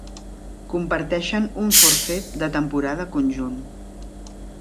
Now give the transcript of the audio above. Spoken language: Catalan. Comparteixen un forfet de temporada conjunt.